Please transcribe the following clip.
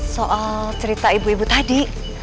soal cerita ibu ibu tadi